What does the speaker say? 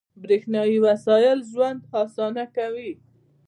• برېښنايي وسایل ژوند اسانه کوي.